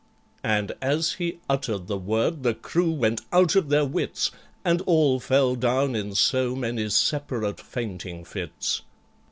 And as he uttered the word, the crew went out of their wits, And all fell down in so many separate fainting fits.